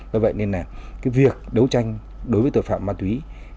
vì vậy nên việc đấu tranh đối với tội phạm ma túy